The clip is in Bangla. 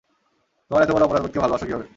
তোমার এত বড় অপরাধবোধকে ভালোবাসো কিভাবে!